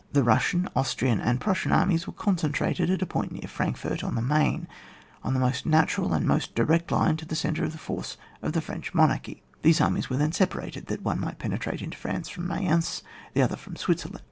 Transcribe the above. The Eussian, Austrian, and Prussian armies were concentrated at a point near Frankfort on the Maine, on the most natural and most direct line to the centre of the force of the French monarchy These armies were then separated, that one might penetrate into France from Mayence, the other from Switzerland.